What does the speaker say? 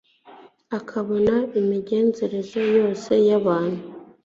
akabona imigenzereze yose y'abantu